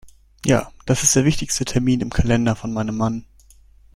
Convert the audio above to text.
Ja, das ist der wichtigste Termin im Kalender von meinem Mann.